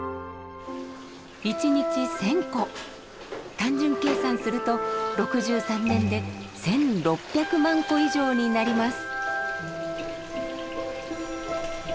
単純計算すると６３年で１，６００万個以上になります。